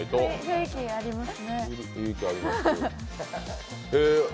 雰囲気あります。